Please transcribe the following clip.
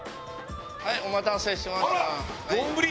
はいお待たせしました。